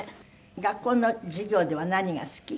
学校の授業では何が好き？